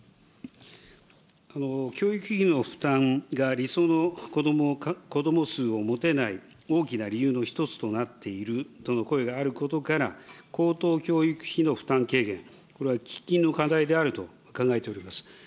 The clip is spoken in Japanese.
教育費の負担が理想の子ども数を持てない大きな理由の一つとなっているとの声があることから、高等教育費の負担軽減、これは喫緊の課題であると考えております。